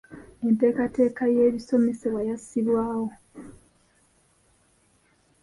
Enteekateeka y’ebisomesebwa yassibwawo.